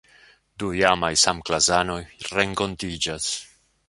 Du iamaj samklasanoj renkontiĝas.